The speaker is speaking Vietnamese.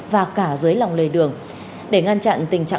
vận đón khách